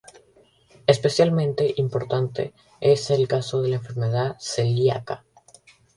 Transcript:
Especialmente importante es el caso de la enfermedad celíaca.